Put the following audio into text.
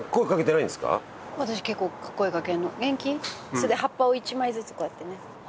それで葉っぱを一枚ずつこうやってね。